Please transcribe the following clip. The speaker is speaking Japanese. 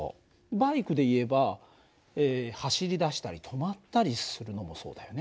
バイクでいえば走り出したり止まったりするのもそうだよね。